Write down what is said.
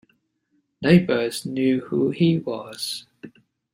Neighbors knew who he was.